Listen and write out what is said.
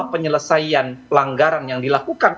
penyelesaian pelanggaran yang dilakukan